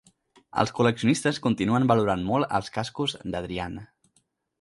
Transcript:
Els col·leccionistes continuen valorant molt els cascos d'Adrian.